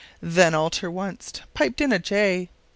Then all ter onct piped in a jay.